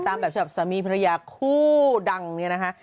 ตามแบบชอบสามีพิทยาคู่ดังเนี่ยนะคะ